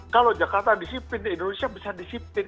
kalau jakarta disiplin indonesia bisa disiplin